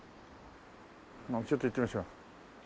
まあちょっと行ってみましょう。